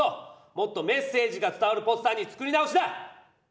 もっとメッセージが伝わるポスターに作り直しだ！